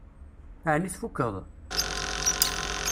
Ɛni tfukkeḍ?